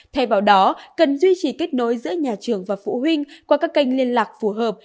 thay vào đó cần duy trì kết nối giữa nhà trường và phụ huynh qua các kênh liên lạc phù hợp